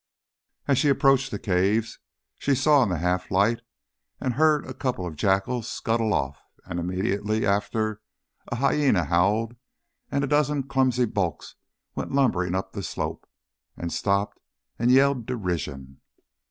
As she approached the caves she saw in the half light, and heard a couple of jackals scuttle off, and immediately after a hyæna howled and a dozen clumsy bulks went lumbering up the slope, and stopped and yelled derision.